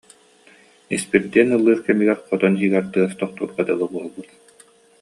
Испирдиэн ыллыыр кэмигэр хотон иһигэр тыас тохтуурга дылы буолбут